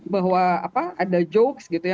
bahwa ada jokes gitu ya